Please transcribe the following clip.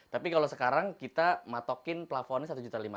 tapi kalau sekarang kita matokin plafonnya satu lima ratus